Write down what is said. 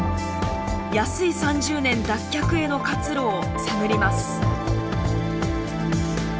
「安い３０年」脱却への活路を探ります。